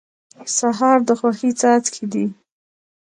سهار د خوښۍ څاڅکي دي.